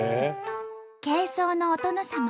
軽装のお殿様。